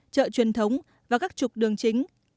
chợ truyền thống và các trục đường chính